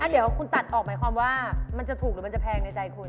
เดี๋ยวคุณตัดออกหมายความว่ามันจะถูกหรือมันจะแพงในใจคุณ